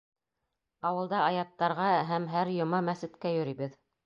Ауылда аяттарға һәм һәр йома мәсеткә йөрөйбөҙ.